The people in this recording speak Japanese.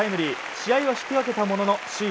試合は引きけたものの首位